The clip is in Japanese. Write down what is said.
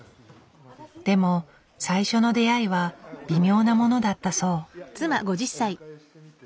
でも最初の出会いは微妙なものだったそう。